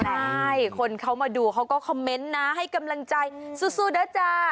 ใช่คนเขามาดูเขาก็คอมเมนต์นะให้กำลังใจสู้นะจ๊ะ